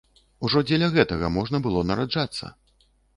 Ужо дзеля гэтага можна было нараджацца!